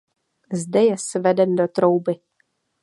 Zde je sveden do trouby.